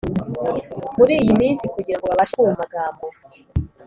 muri iyi minsi; kugirango babashe kumva amagambo